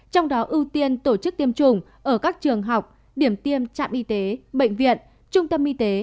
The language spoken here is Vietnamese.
trong đó ưu tiên tổ chức tiêm chủng ở các trường học điểm tiêm trạm y tế bệnh viện trung tâm y tế